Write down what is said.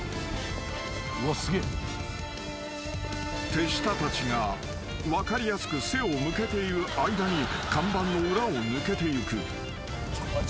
［手下たちが分かりやすく背を向けている間に看板の裏を抜けていく］